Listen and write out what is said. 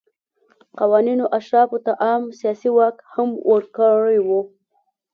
قوانینو اشرافو ته عام سیاسي واک هم ورکړی و.